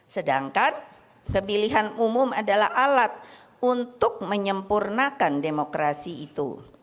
sedangkan kebilihan umum adalah alat untuk menyempurnakan demokrasi itu